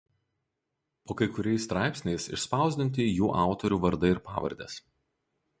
Po kai kuriais straipsniais išspausdinti jų autorių vardai ir pavardės.